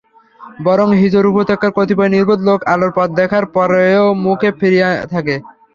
বরং হিজর উপত্যকার কতিপয় নির্বোধ লোক আলোর পথ দেখার পরেও মুখ ফিরিয়ে থাকে।